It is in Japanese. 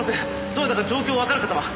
どなたか状況がわかる方は？